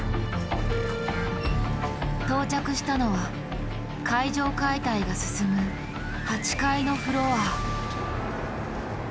到着したのは階上解体が進む８階のフロア。